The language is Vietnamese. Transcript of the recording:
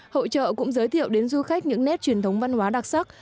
hội trợ cũng giới thiệu đến du khách những nét truyền thống văn hóa đặc sắc